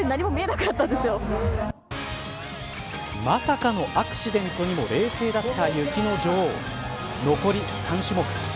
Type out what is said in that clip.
まさかのアクシデントにも冷静だった雪の女王残り３種目。